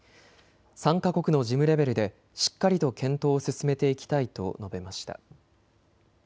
３か国の事務レベルでしっかりと検討を進めていきたいと述べました。